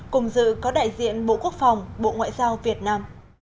cùng dự có đại diện bộ quốc phòng bộ ngoại giao việt nam